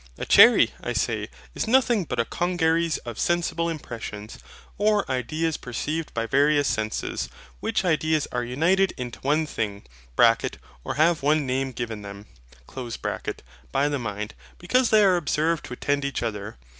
A cherry, I say, is nothing but a congeries of sensible impressions, or ideas perceived by various senses: which ideas are united into one thing (or have one name given them) by the mind, because they are observed to attend each other.